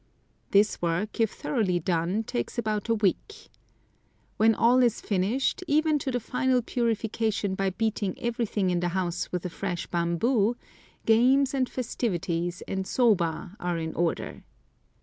This work, if thoroughly done, takes about a week. When all is finished, even to the final purification by beating everything in the house with a fresh bamboo, games and festivities and soba are in order.